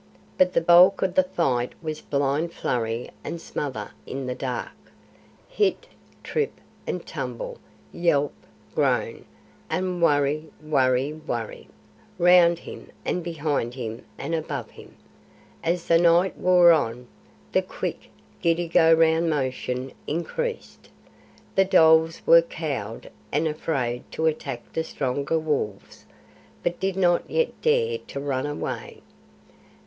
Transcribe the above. But the bulk of the fight was blind flurry and smother in the dark; hit, trip, and tumble, yelp, groan, and worry worry worry, round him and behind him and above him. As the night wore on, the quick, giddy go round motion increased. The dholes were cowed and afraid to attack the stronger wolves, but did not yet dare to run away.